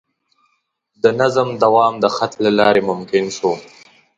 د نظم دوام د خط له لارې ممکن شو.